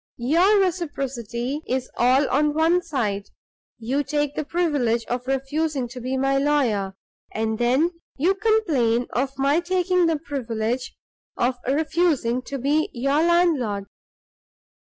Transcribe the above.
Your reciprocity is all on one side. You take the privilege of refusing to be my lawyer, and then you complain of my taking the privilege of refusing to be your landlord."